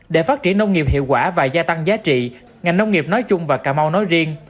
để phát triển nông nghiệp hiệu quả và gia tăng giá trị ngành nông nghiệp nói chung và cà mau nói riêng